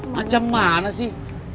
macam mana sih